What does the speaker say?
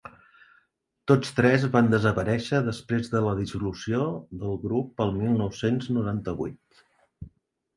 Tots tres van desaparèixer després de la dissolució del grup el mil nou-cents noranta-vuit.